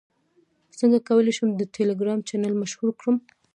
څنګه کولی شم د ټیلیګرام چینل مشهور کړم